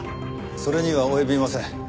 それには及びません。